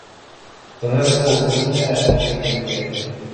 — Тыныс бул, ниңә ул тиклем инде